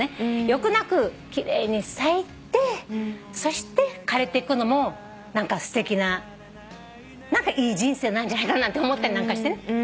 欲なく奇麗に咲いてそして枯れてくのもすてきないい人生なんじゃないかって思ったりなんかしてね。